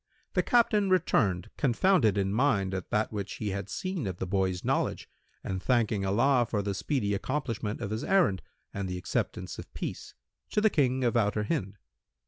The Captain returned, confounded in mind at that which he had seen of the boy's knowledge and thanking Allah for the speedy accomplishment of his errand and the acceptance of peace, to the King of Outer Hind.